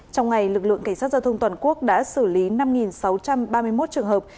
trong ngày lực lượng cảnh sát giao thông toàn quốc đã xử lý năm sáu trăm ba mươi một trường hợp